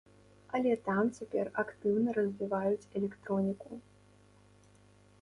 Але там цяпер актыўна развіваюць электроніку.